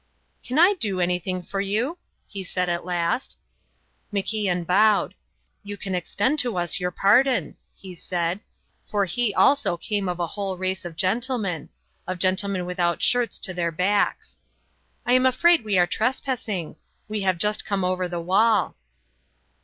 "Can I do anything for you?" he said, at last. MacIan bowed. "You can extend to us your pardon," he said, for he also came of a whole race of gentlemen of gentlemen without shirts to their backs. "I am afraid we are trespassing. We have just come over the wall."